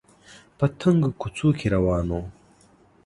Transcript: په تنګو کوڅو کې روان و